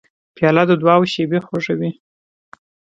پیاله د دعاو شېبې خوږوي.